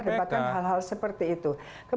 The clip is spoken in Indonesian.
untuk apa lah untuk berdebatkan hal hal seperti itu